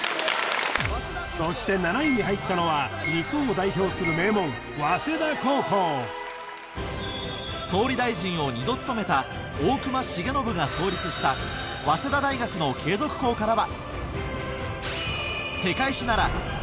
そして７位に入ったのは日本を代表する名門早稲田高校総理大臣を２度務めたが創立したの２年生ペア今のところは。